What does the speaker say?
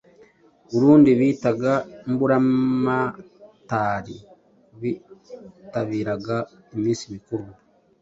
Urundi bitaga Mburamatari bitabiraga iminsi mikuru